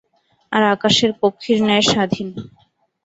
আর আকাশের পক্ষীর ন্যায় স্বাধীন।